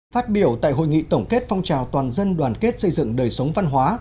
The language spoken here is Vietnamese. phát biểu tại hội nghị tổng kết phong trào toàn dân đoàn kết xây dựng đời sống văn hóa